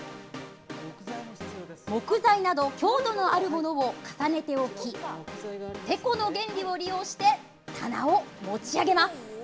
木材など、強度のあるものを重ねて置きてこの原理を利用して棚を持ち上げます。